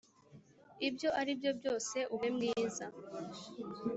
ibyo aribyo byose, ube mwiza.